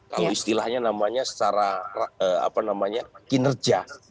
kalau istilahnya namanya secara kinerja